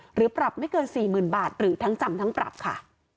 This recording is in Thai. หรือปรับไม่เกิน๔๐๐๐บาทหรือทั้งจำทั้งปรับค่ะ